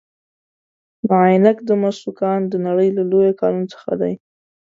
د عینک د مسو کان د نړۍ له لویو کانونو څخه دی.